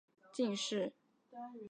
咸丰三年癸丑科进士。